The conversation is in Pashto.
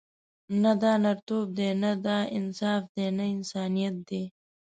نه دا نرتوب دی، نه دا انصاف دی، نه انسانیت دی.